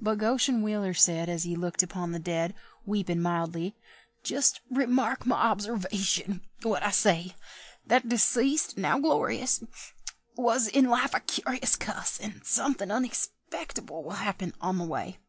But Goshen Wheeler said, As he looked upon the dead, Weepin' mildly, "Just remark my observation what I say: That deceased, now glori_ous_, Was in life a curious cuss, And somethin' unexpectable will happen on the way.